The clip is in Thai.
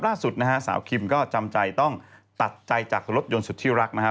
ล่าสุดนะฮะสาวคิมก็จำใจต้องตัดใจจากรถยนต์สุดที่รักนะฮะ